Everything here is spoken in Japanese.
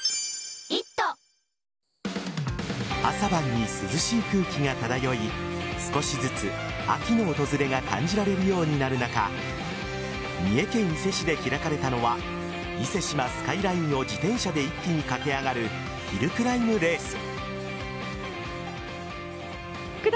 朝晩に涼しい空気が漂い少しずつ、秋の訪れが感じられるようになる中三重県伊勢市で開かれたのは伊勢志摩スカイラインを自転車で一気に駆け上がるヒルクライムレース。